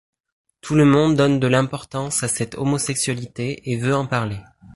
Tout le monde donne de l'importance à cette homosexualité et veut en parler.